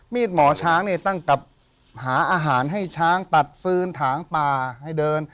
หมอช้างเนี่ยตั้งกับหาอาหารให้ช้างตัดฟื้นถางป่าให้เดิน